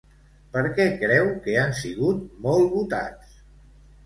Per què creu que han sigut molt votats?